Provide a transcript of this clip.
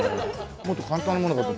もっと簡単なものかと思った。